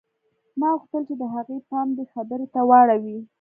ما غوښتل چې د هغې پام دې خبرې ته واوړي